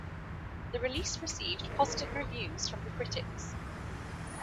The release received positive reviews from the critics.